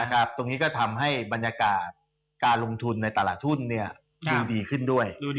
ตรงนี้ก็ทำให้บรรยากาศการลงทุนในตลาดทุนดูดีขึ้นด้วย